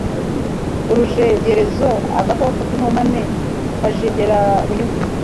Urujegerezo:Agakoko k'inkomane kajegera bunyuguri